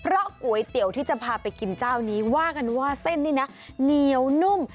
เพราะก๋วยเตี๋ยวที่จะพาไปกินเจ้านี้ว่ากันว่าเส้นนี่นะเหนียวนุ่ม